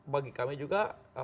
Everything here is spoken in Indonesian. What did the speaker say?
bagi kami juga